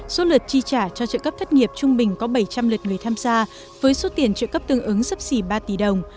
số lượt chi trả cho trợ cấp thất nghiệp trung bình có bảy trăm linh lượt người tham gia với số tiền trợ cấp tương ứng sắp xỉ ba tỷ đồng